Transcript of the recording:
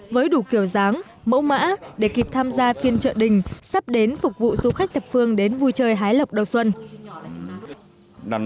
với đủ kiểu dáng mẫu mã để kịp tham gia phiên chợ đình sắp đến phục vụ du khách tập phương đến vui chơi hái lọc đầu xuân